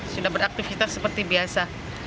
sudah beraktifitas seperti biasa